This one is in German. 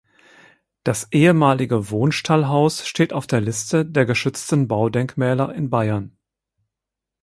Das ehemalige Wohnstallhaus steht auf der Liste der geschützten Baudenkmäler in Bayern.